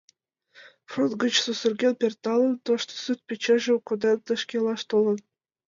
Фронт гыч сусырген пӧртылын, тошто сурт-печыжым коден, тышке илаш толын.